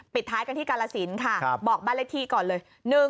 ท้ายกันที่กาลสินค่ะบอกบ้านเลขที่ก่อนเลย